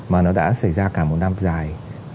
mà nó đã xảy ra cả một năm dài hai nghìn hai mươi